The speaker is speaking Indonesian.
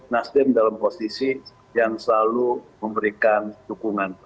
nasdem dalam posisi yang selalu memberikan dukungan